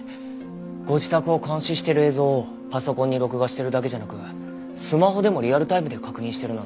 ご自宅を監視してる映像をパソコンに録画してるだけじゃなくスマホでもリアルタイムで確認してるなんて。